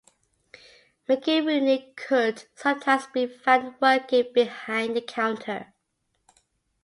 Mickey Rooney could sometimes be found working behind the counter.